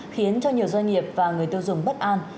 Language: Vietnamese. khiến cho nhiều doanh nghiệp và người tiêu dùng bất an